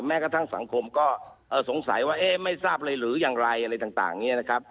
กระทั่งสังคมก็สงสัยว่าเอ๊ะไม่ทราบเลยหรืออย่างไรอะไรต่างเนี่ยนะครับ